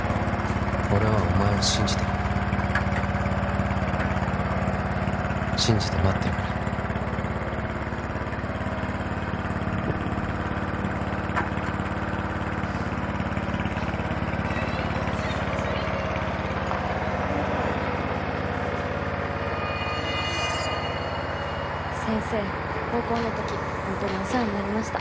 俺はお前を信じてる信じて待ってるからうん・久しぶり先生高校の時ホントにお世話になりました